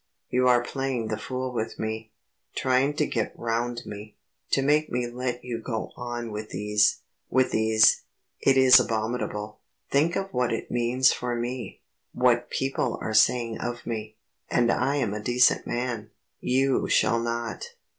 You are playing the fool with me ... trying to get round me ... to make me let you go on with these with these It is abominable. Think of what it means for me, what people are saying of me, and I am a decent man You shall not.